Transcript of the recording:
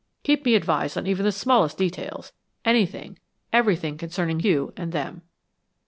Keep me advised on even the smallest details anything, everything concerning you and them."